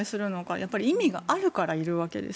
やっぱり意味があるからいるわけです。